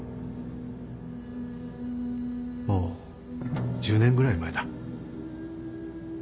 もう１０年ぐらい前だ。